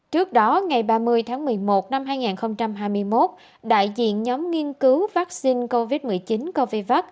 trước đó ngày ba mươi tháng một mươi một năm hai nghìn hai mươi một đại diện nhóm nghiên cứu vaccine covid một mươi chín covac